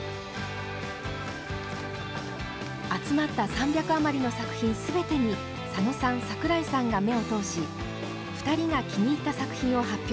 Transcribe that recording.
集まった３００余りの作品全てに佐野さん桜井さんが目を通し２人が気に入った作品を発表しました。